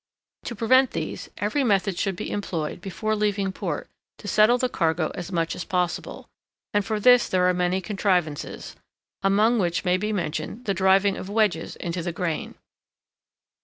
To prevent these, every method should be employed before leaving port to settle the cargo as much as possible; and for this there are many contrivances, among which may be mentioned the driving of wedges into the grain.